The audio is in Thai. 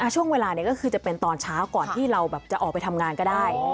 ช่วงเวลาจะเป็นตอนเช้าก่อนที่เราออกไปทำงานก็ได้